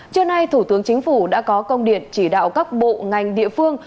trưa nay thủ tướng chính phủ đã có công điện chỉ đạo các bộ ngành địa phương